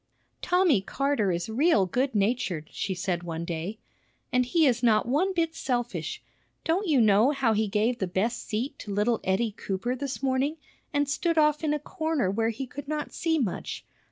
"Tommy Carter is real good natured," she said one day. "And he is not one bit selfish. Don't you know how he gave the best seat to little Eddie Cooper this morning, and stood off in a corner where he could not see much?